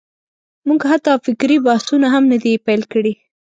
موږ حتی فکري بحثونه هم نه دي پېل کړي.